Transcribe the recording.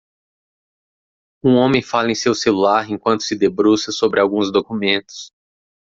Um homem fala em seu celular enquanto se debruça sobre alguns documentos.